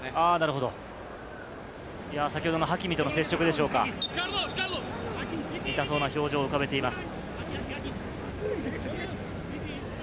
先ほどハキミとの接触でしょうか、痛そうな表情を浮かべています。